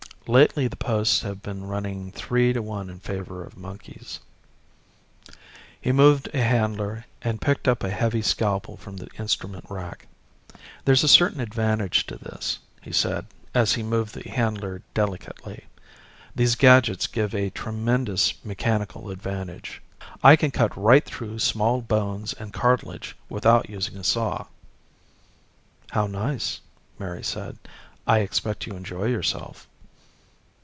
"Lately the posts have been running three to one in favor of monkeys." He moved a handler and picked up a heavy scalpel from the instrument rack. "There's a certain advantage to this," he said as he moved the handler delicately. "These gadgets give a tremendous mechanical advantage. I can cut right through small bones and cartilage without using a saw." "How nice," Mary said. "I expect you enjoy yourself."